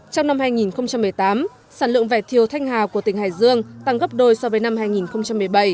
trong năm hai nghìn một mươi tám sản lượng vải thiều thanh hà của tỉnh hải dương tăng gấp đôi so với năm hai nghìn một mươi bảy